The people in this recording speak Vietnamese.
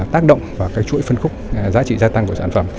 tác động vào cái chuỗi phân khúc giá trị gia tăng của sản phẩm